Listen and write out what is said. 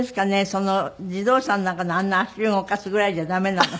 その自動車の中のあんな足動かすぐらいじゃダメなの？